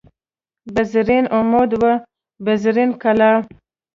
بزرین عمود و بزرین کلاه